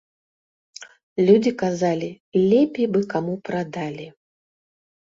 Людзі казалі, лепей бы каму прадалі.